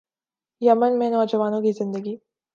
یمن میں نوجوانوں کی زندگی